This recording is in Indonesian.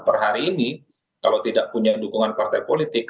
per hari ini kalau tidak punya dukungan partai politik